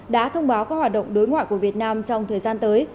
đã thông báo các hoạt động đối ngoại của việt nam trong thời gian tới